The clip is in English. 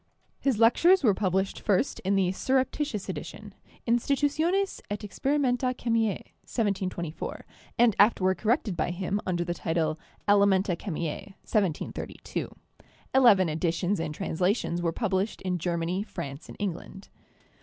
His lectures were published first in the 'surreptitious edition/ Tnstitutiones et Experimenta Chemiae' (1724) and afterward corrected by him under the title 'Elementa Chemise' (1732). Eleven editions and translations were published in Germany, France, and England.